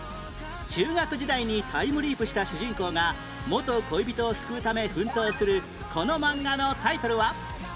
中学時代にタイムリープした主人公が元恋人を救うため奮闘するこの漫画のタイトルは？